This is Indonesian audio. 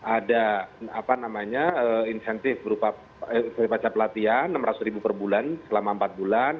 ada insensif berupa pacar pelatihan rp enam ratus per bulan selama empat bulan